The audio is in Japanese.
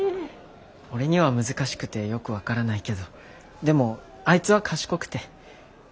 俺には難しくてよく分からないけどでもあいつは賢くて。